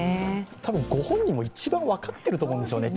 多分、ご本人も一番分かってると思うんですよね。